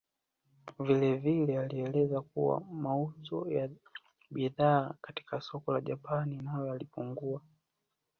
Vilevile alieleza kuwa mauzo ya bidhaa katika soko la Japan nayo yalipungua